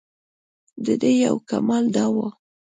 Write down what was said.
دده یو کمال دا و.